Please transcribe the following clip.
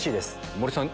森さん